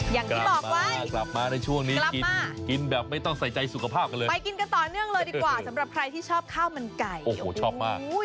อย่างที่บอกว่ากลับมาในช่วงนี้กินกินแบบไม่ต้องใส่ใจสุขภาพกันเลยไปกินกันต่อเนื่องเลยดีกว่าสำหรับใครที่ชอบข้าวมันไก่โอ้โหชอบมาก